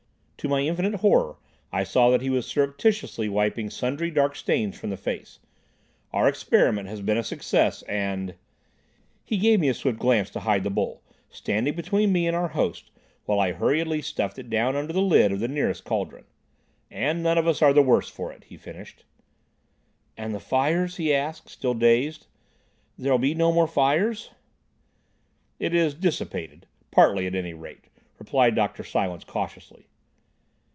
To my infinite horror I saw that he was surreptitiously wiping sundry dark stains from the face. "Our experiment has been a success and—" He gave me a swift glance to hide the bowl, standing between me and our host while I hurriedly stuffed it down under the lid of the nearest cauldron. "—and none of us the worse for it," he finished. "And fires?" he asked, still dazed, "there'll be no more fires?" "It is dissipated—partly, at any rate," replied Dr. Silence cautiously.